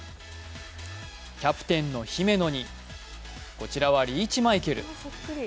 キャプテンの姫野に、こちらはリーチマイケル。